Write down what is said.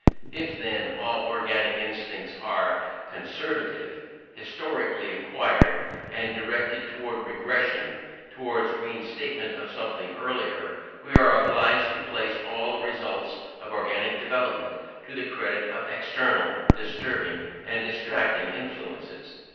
"If, then, all organic instincts are conservative, historically acquired, and directed towards regression, towards reinstatement of something earlier, we are obliged to place all the results of organic development to the credit of external, disturbing, and distracting influences.